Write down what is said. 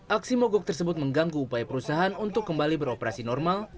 aksi mogok tersebut mengganggu upaya perusahaan untuk kembali beroperasi normal